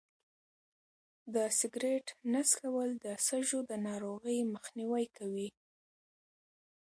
د سګرټ نه څکول د سږو د ناروغۍ مخنیوی کوي.